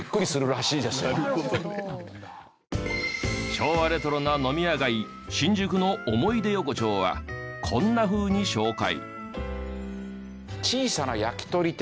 昭和レトロな飲み屋街新宿の思い出横丁はこんなふうに紹介。